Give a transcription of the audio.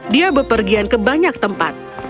dia berpergian ke tempat yang lebih luas